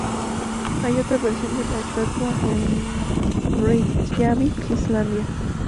Hay otra versión de la estatua en Reikiavik, Islandia.